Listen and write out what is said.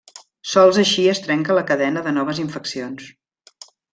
Sols així es trenca la cadena de noves infeccions.